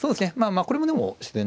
これもでも自然な手で。